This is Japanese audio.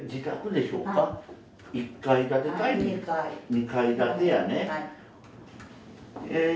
２階建てやね。